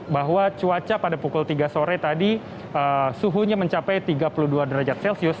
bahwa cuaca pada pukul tiga sore tadi suhunya mencapai tiga puluh dua derajat celcius